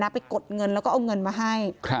ไปกดเงินแล้วก็เอาเงินมาให้